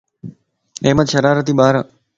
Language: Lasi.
احمد شرارتي ٻار ائي